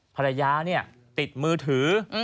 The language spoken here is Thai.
ภรรยาเนี่ยติดมือถือ